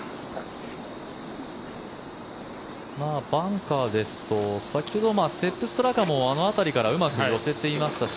バンカーですと先ほどセップ・ストラカもあの辺りからうまく寄せていましたし。